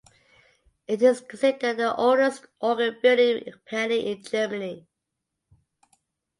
It is considered the oldest organ building company in Germany.